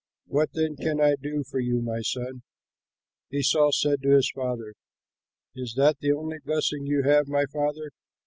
What then can I do for you, my son?" Esau said to his father, "Is that the only blessing you have, my father?"